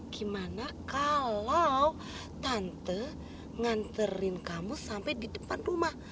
gimana kalo tante nganterin kamu sampe di depan rumah